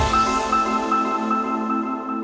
โปรดติดตามตอนต่อไป